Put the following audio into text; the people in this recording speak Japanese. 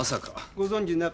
ご存じなかった？